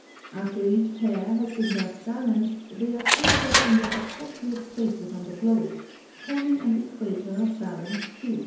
After each pair has been thus balanced, they are painted in their appropriate spaces on the globe, forming an equator of balanced hues.